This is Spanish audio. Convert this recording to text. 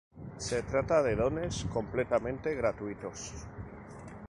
Se trata de dones completamente gratuitos.